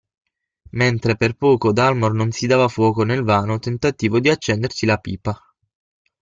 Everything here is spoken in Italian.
Mentre per poco Dalmor non si dava fuoco nel vano tentativo di accendersi la pipa.